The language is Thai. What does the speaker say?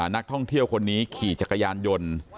นักท่องเที่ยวคนนี้ขี่จักรยานยนต์